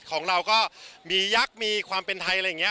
ของเราก็มียักษ์มีความเป็นไทยอะไรอย่างนี้